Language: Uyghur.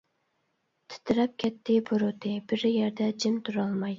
تىترەپ كەتتى بۇرۇتى، بىر يەردە جىم تۇرالماي.